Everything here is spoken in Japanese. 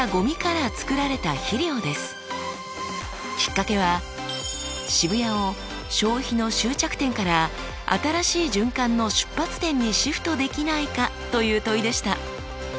きっかけは「渋谷を消費の終着点から新しい循環の出発点にシフトできないか？」という問いでした。